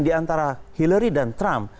di antara hillary dan trump